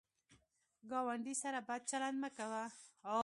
ګاونډي سره بد چلند مه کوه